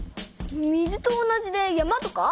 水と同じで山とか？